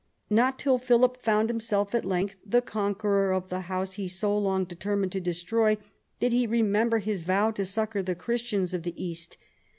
Not till Philip found himself at length the conqueror of the house he had so long determined to destroy did he remember his vow to succour the Christians of the East.